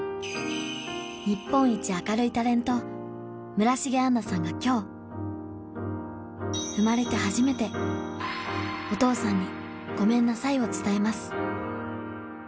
村重杏奈さんが今日生まれて初めてお父さんにごめんなさいを伝えます